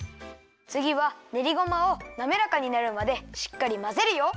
つぎはねりごまをなめらかになるまでしっかりまぜるよ。